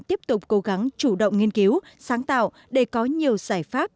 tiếp tục cố gắng chủ động nghiên cứu sáng tạo để có nhiều giải pháp